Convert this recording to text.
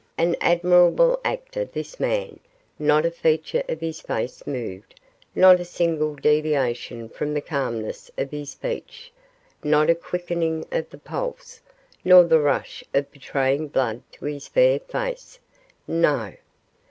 An admirable actor this man, not a feature of his face moved, not a single deviation from the calmness of his speech not a quickening of the pulse, nor the rush of betraying blood to his fair face no!